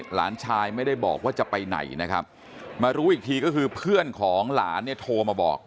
หลานชายไม่ได้บอกว่าจะไปไหนนะครับมารู้อีกทีก็คือเพื่อนของหลานเนี่ยโทรมาบอก